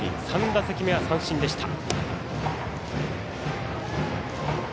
３打席目は三振でした。